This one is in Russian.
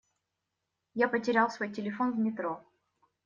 Я потерял свой телефон в метро.